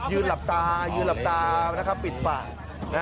ยืนหลับตายืนหลับตานะครับปิดปากนะ